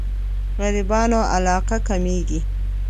غريبانو علاقه کمېږي.